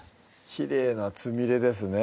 きれいなつみれですね